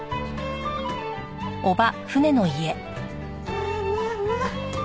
まあまあまあ。